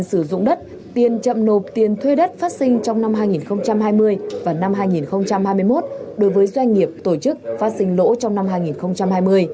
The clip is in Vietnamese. sử dụng đất tiền chậm nộp tiền thuê đất phát sinh trong năm hai nghìn hai mươi và năm hai nghìn hai mươi một đối với doanh nghiệp tổ chức phát sinh lỗ trong năm hai nghìn hai mươi